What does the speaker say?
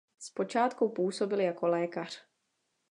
Zpočátku působil jako lékař.